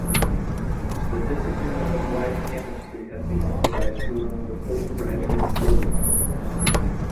The discipline of Applied Chemistry has been authorized to run the postgraduate programme.